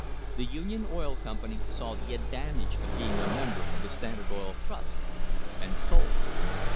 The Union Oil Company saw the advantage of being a member of the Standard Oil Trust, and sold.